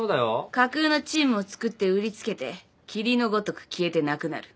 架空のチームをつくって売り付けて霧のごとく消えてなくなる。